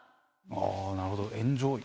あなるほど炎上。